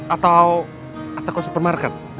atau ke supermarket